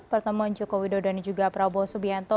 pertemuan joko widodo dan juga prabowo subianto